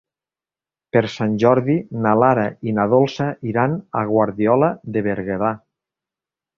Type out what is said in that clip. Per Sant Jordi na Lara i na Dolça iran a Guardiola de Berguedà.